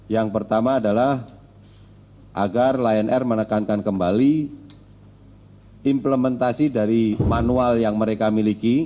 yang pertama adalah agar lion air menekankan kembali implementasi dari manual yang mereka miliki